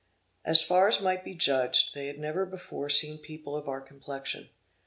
As far as might be judged, they had never before seen people of our complexion.